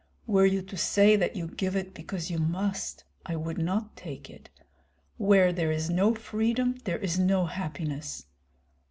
Were you to say that you give it because you must, I would not take it. Where there is no freedom there is no happiness.